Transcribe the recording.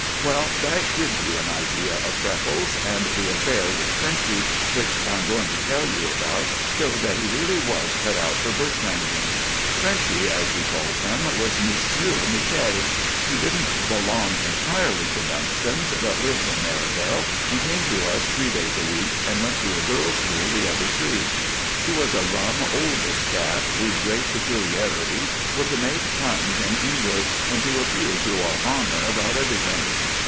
Well, that gives you an idea of Freckles, and the affair with Frenchy, which I am going to tell you about, showed that he really was cut out for bushranging. Frenchy, as we called him, was Monsieur Michel. He didn't belong entirely to Dunston's, but lived in Merivale and came to us three days a week, and went to a girl's school the other three. He was a rum, oldish chap, whose great peculiarities were to make puns in English and to appeal to our honor about everything.